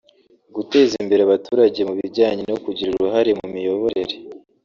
guteza imbere abaturage mu bijyanye no kugira uruhare mu miyoborere